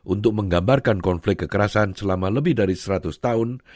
untuk menggambarkan konflik kekerasan selama lebih dari seratus tahun